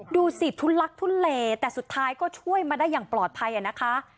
ดูสิทุลักทุเลแต่สุดท้ายก็ช่วยมาได้อย่างปลอดภัยนะคะ